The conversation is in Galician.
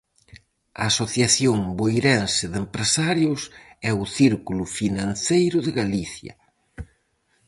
A Asociación Boirense de Empresarios e o Círculo Financeiro de Galicia.